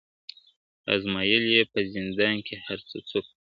آزمېیل یې په زندان کي هره څوکه `